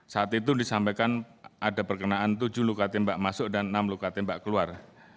saat itu disampaikan ada perkenaan tujuh luka tembak masuk dan enam luka tembak keluar